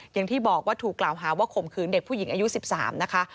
อย่างที่บอกว่าถูกกล่าวหาว่าข่มขืนเด็กผู้หญิงอายุ๑๓นะคะ